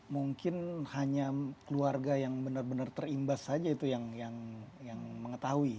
mungkin hanya keluarga yang benar benar terimbas saja itu yang mengetahui